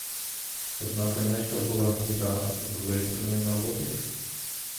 Одна конячка була гніда, з лисиною на лобі?